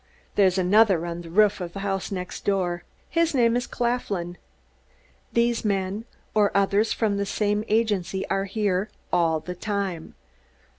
There's another on the roof of the house next door. His name is Claflin. These men, or others from the same agency, are here all the time.